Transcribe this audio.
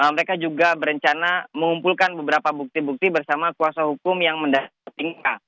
mereka juga berencana mengumpulkan beberapa bukti bukti bersama kuasa hukum yang mendampingi